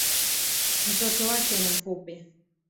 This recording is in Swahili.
Mtoto wake ni mfupi